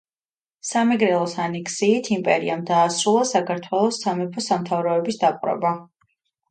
სამეგრელოს ანექსიით იმპერიამ დაასრულა საქართველოს სამეფო-სამთავროების დაპყრობა.